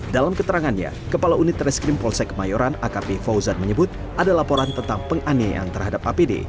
dalam keterangannya kepala unit reskrim polsek kemayoran akp fauzan menyebut ada laporan tentang penganiayaan terhadap apd